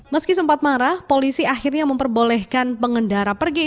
meski sempat marah polisi akhirnya memperbolehkan pengendara pergi